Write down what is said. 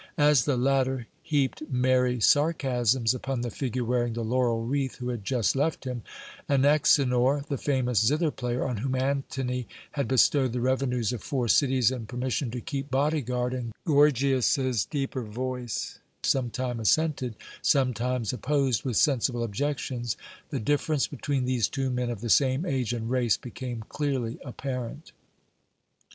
As the latter heaped merry sarcasms upon the figure wearing the laurel wreath who had just left him, Anaxenor, the famous zither player, on whom Antony had bestowed the revenues of four cities and permission to keep body guard, and Gorgias's deeper voice sometime assented, sometimes opposed with sensible objections, the difference between these two men of the same age and race became clearly apparent.